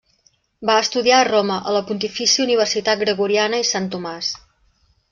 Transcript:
Va estudiar a Roma a la Pontifícia Universitat Gregoriana i Sant Tomàs.